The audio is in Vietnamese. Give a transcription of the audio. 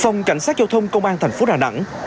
phòng cảnh sát giao thông công an thành phố đà nẵng